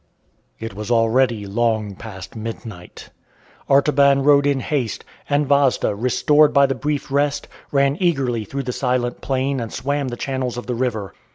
It was already long past midnight. Artaban rode in haste, and Vasda, restored by the brief rest, ran eagerly through the silent plain and swam the channels of the river.